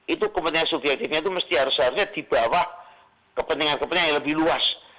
itu kepentingan subjektifnya itu harus harusnya di bawah kepentingan kepentingan yang lebih luas